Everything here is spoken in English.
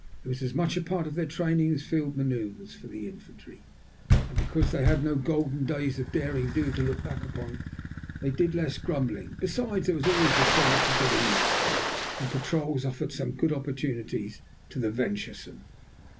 It was as much a part of their training as field manœuvres for the infantry. And because they had no golden days of derring do to look back upon, they did less grumbling. Besides, there was always the chance of getting lost, and patrols offered some good opportunities to the venturesome.